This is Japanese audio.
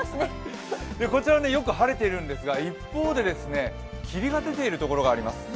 こちらはよく晴れているんですが一方で霧が出ている所があります。